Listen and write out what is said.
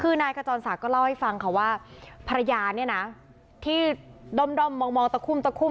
คือนายขจรศักดิ์เล่าให้ฟังค่ะว่าภรรยาเนี่ยนะที่ด้อมมองตะคุ่มตะคุ่ม